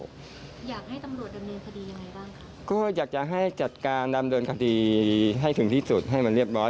อยากให้ตำรวจดำเนินคดียังไงบ้างคะก็อยากจะให้จัดการดำเนินคดีให้ถึงที่สุดให้มันเรียบร้อย